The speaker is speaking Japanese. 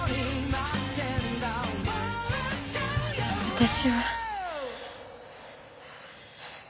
私は。